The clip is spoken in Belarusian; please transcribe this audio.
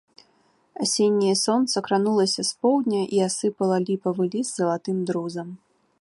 Асенняе сонца кранулася з поўдня і асыпала ліпавы ліст залатым друзам.